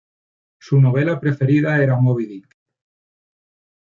Su novela preferida era "Moby Dick".